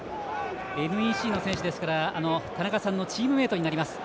ＮＥＣの選手ですから田中さんのチームメートになります。